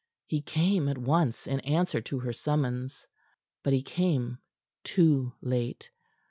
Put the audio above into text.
He came at once in answer to her summons; but he came too late.